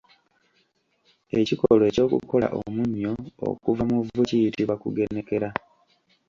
Ekikolwa eky’okukola omunnyo okuva mu vvu kiyitibwa kugenekera.